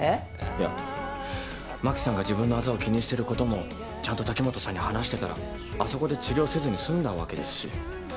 いや真紀さんが自分のあざを気にしてることもちゃんと滝本さんに話してたらあそこで治療せずに済んだわけですし。